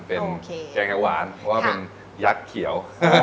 เป็นแกงแกงหวานว่าเป็นยักษ์เขียว